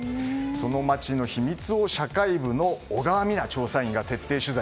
その町の秘密を社会部の小川美那調査員が徹底取材。